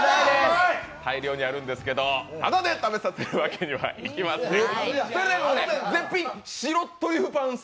大量にあるんですけど、ただで食べさせるわけにはいきません。